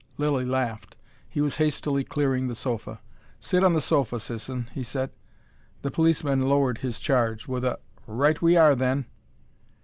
Lilly laughed. He was hastily clearing the sofa. "Sit on the sofa, Sisson," he said. The policeman lowered his charge, with a "Right we are, then!"